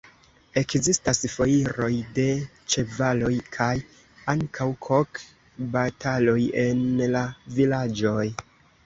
Ekzistas foiroj de ĉevaloj kaj ankaŭ kok-bataloj en la vilaĝoj.